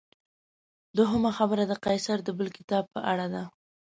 دویمه خبره د قیصر د بل کتاب په اړه ده.